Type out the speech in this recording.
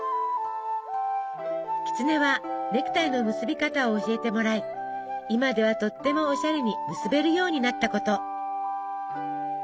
キツネはネクタイの結び方を教えてもらい今ではとってもオシャレに結べるようになったこと。